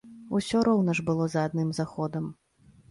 Усё роўна ж было за адным заходам.